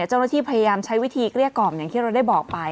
เจ้าหน้าที่พยายามใช้วิธีเกลี้ยกล่อมอย่างที่เราได้บอกไป